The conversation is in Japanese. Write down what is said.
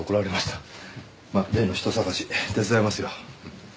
まあ例の人捜し手伝いますよ。